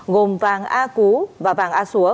gồm vàng a cú và vàng a súa